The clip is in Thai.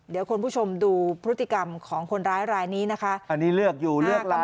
เดี๋ยวคุณผู้ชมดูพฤติกรรมของคนร้ายรายนี้นะคะอันนี้เลือกอยู่เลือกลำ